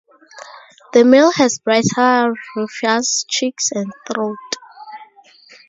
The male has brighter rufous cheeks and throat.